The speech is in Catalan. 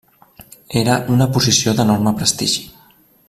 Era una posició d'enorme prestigi.